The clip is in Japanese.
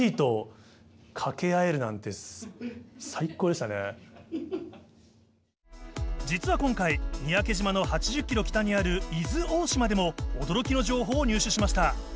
でもね実は今回三宅島の８０キロ北にある伊豆大島でも驚きの情報を入手しました。